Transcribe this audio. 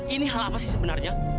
ini hal apa sih sebenarnya